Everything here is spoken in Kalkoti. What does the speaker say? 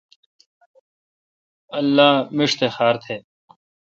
اللہ میݭ تہ خار تہ۔